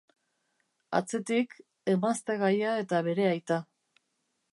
Atzetik, emaztegaia eta bere aita.